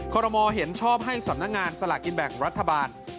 ขอรมอลเห็นชอบให้สำนักงานสลากกินแบ่งรัฐบาล